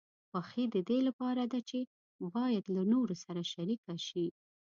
خوښي د دې لپاره ده چې باید له نورو سره شریکه شي.